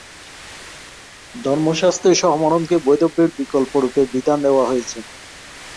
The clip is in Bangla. ধর্মশাস্ত্রে সহমরণকে বৈধব্যের বিকল্পরূপে বিধান দেওয়া হয়েছে।